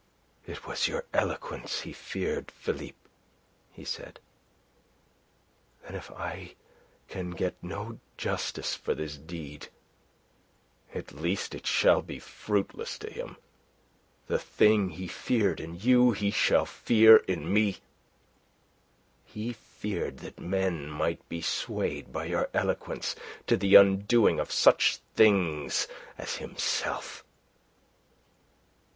"It was your eloquence he feared, Philippe," he said. "Then if I can get no justice for this deed, at least it shall be fruitless to him. The thing he feared in you, he shall fear in me. He feared that men might be swayed by your eloquence to the undoing of such things as himself.